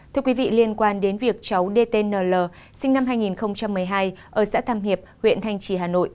thưa quý vị liên quan đến việc cháu dtnl sinh năm hai nghìn một mươi hai ở xã tam hiệp huyện thanh trì hà nội